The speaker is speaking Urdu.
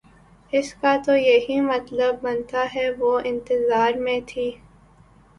اس کا تو یہی مطلب بنتا ہے وہ انتظار میں تھی